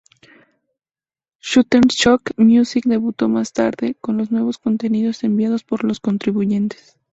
Shutterstock Music debutó más tarde, con nuevos contenidos enviados por los contribuyentes.